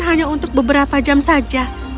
hanya untuk beberapa jam saja